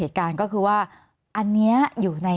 มีความรู้สึกว่ามีความรู้สึกว่า